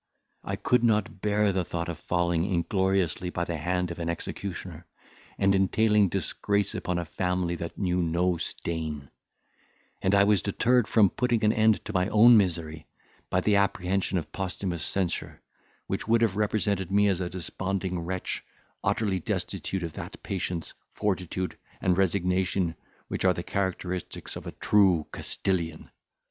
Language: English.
I could not bear the thought of falling ingloriously by the hand of an executioner, and entailing disgrace upon a family that knew no stain; and I was deterred from putting an end to my own misery, by the apprehension of posthumous censure, which would have represented me as a desponding wretch, utterly destitute of that patience, fortitude, and resignation, which are the characteristics of a true Castilian.